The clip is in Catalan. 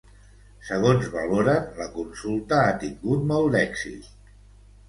Segons valoren, la consulta ha tingut molt d’èxit.